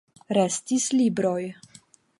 Restis libroj.